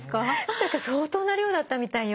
何か相当な量だったみたいよ。